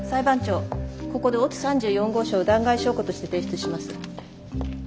ここで乙３４号証を弾劾証拠として提出します。